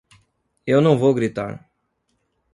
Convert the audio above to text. Eu não vou gritar!